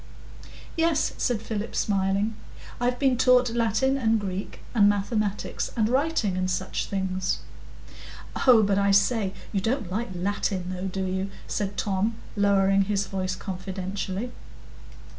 "Yes," said Philip, smiling; "I've been taught Latin and Greek and mathematics, and writing and such things." "Oh, but I say, you don't like Latin, though, do you?" said Tom, lowering his voice confidentially.